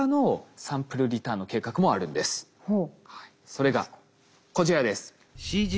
それがこちらです。